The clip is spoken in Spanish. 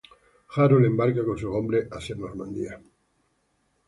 Harold embarca con sus hombres hacia Normandía.